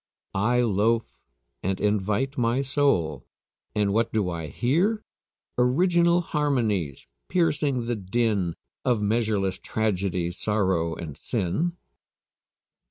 "I loafe and invite my soul." And what do I hear? Original harmonies piercing the din Of measureless tragedy, sorrow, and sin.